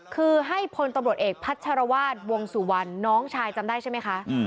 คือให้พลตำรวจเอกพัชรวาสวงสุวรรณน้องชายจำได้ใช่ไหมคะ